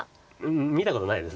見たことないです。